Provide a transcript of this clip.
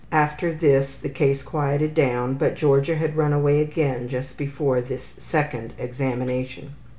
After this the case quieted down, but Georgia had run away again just before this second examination.